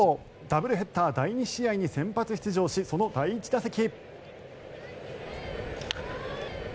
ダブルヘッダー第２試合に先発出場しその第１打席。